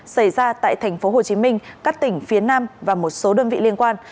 xảy ra tại thành phố hồ chí minh các tỉnh phía nam và một số đơn vị liên quan